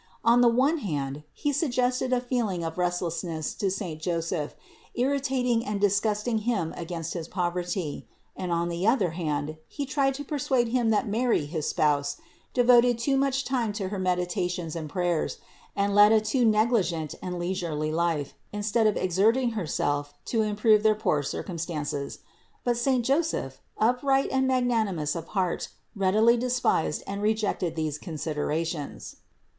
On the one hand he sug gested a feeling of restlessness to saint Joseph, irritating and disgusting him against his poverty ; and on the other hand he tried to persuade him that Mary, his Spouse, devoted too much time to her meditations and prayers, and led a too negligent and leisurely life, instead of ex erting Herself to improve their poor circumstances. But saint Joseph, upright and magnanimous of heart, readily despised and rejected such considerations.